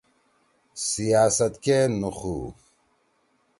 سیاست کے نُوخُو